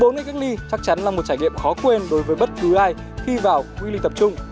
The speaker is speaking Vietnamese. một mươi bốn ngày cách ly chắc chắn là một trải nghiệm khó quên đối với bất cứ ai khi vào khu y tế tập trung